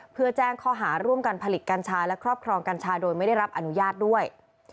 เพื่อแจ้งข้อหาร่วมกันผลิตกัญชาและครอบครองกัญชาโดยไม่ได้รับอนุญาตด้วย